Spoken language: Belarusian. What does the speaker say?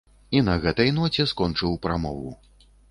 І на гэтай ноце скончыў прамову.